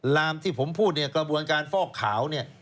ลามที่ผมพูดเนี่ยกระบวนการฟอกขาวเนี่ย